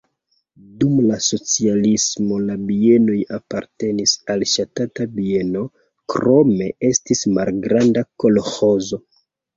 Dum la socialismo la bienoj apartenis al ŝtata bieno, krome estis malgranda kolĥozo.